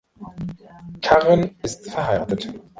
Karren ist verheiratet.